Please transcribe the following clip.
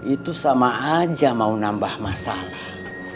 itu sama aja mau nambah masalah